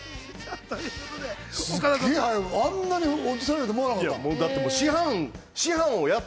あんなに落とされると思わなかった。